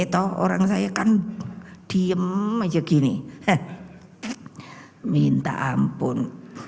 sama sama begini minta ampun